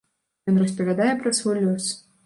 Ён распавядае пра свой лёс.